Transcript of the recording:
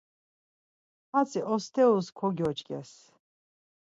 Hatzi osterus kogyoç̌ǩes.